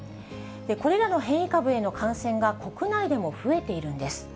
これらの変異株への感染が、国内でも増えているんです。